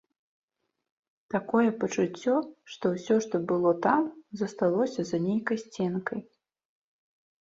Такое пачуццё, што ўсё, што было там, засталося за нейкай сценкай.